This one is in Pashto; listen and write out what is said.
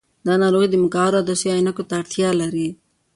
دا ناروغي د مقعرو عدسیو عینکو ته اړتیا لري.